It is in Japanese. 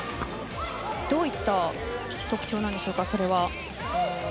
どういった特徴なんでしょうか。